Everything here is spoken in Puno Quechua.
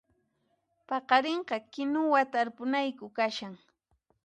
Paqarinqa kinuwa tarpunayku kashan